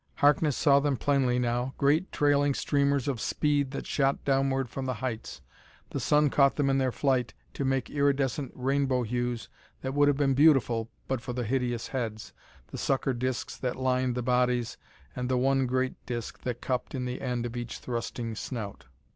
Harkness saw them plainly now great trailing streamers of speed that shot downward from the heights. The sun caught them in their flight to make iridescent rainbow hues that would have been beautiful but for the hideous heads, the sucker discs that lined the bodies and the one great disc that cupped on the end of each thrusting snout.